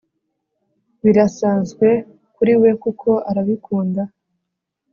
birasanzwe kuri we kuko arabikunda